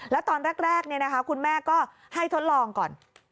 แล้วตอนแรกคุณแม่ก็ให้ทดลองก่อน